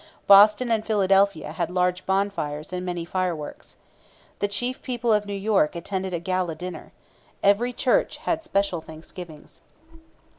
Boston and Philadelphia had large bonfires and many fireworks. The chief people of New York attended a gala dinner. Every church had special thanksgivings.